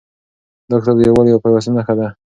دا کتاب د یووالي او پیوستون نښه ده.